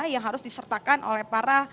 yang harus disertakan oleh para